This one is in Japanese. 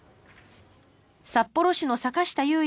札幌市の坂下裕也